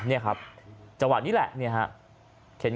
นี่ครับจังหวะนี้แหละเนี่ยครับ